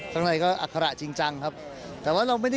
ทางนัยข้อมือของล้มบรอด